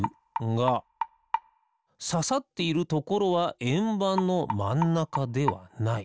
がささっているところはえんばんのまんなかではない。